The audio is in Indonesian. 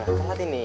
masa gak bareng sih